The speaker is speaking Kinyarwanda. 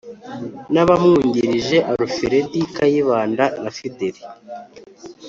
n'abamwungirije aluferedi kayibanda na fideli